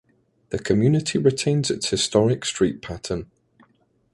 The community retains its historic street pattern.